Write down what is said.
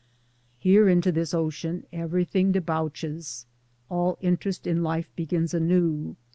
Here, into this ocean, everything debouches ; all in terest in life begins anew.